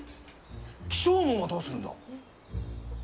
起請文はどうするんだ。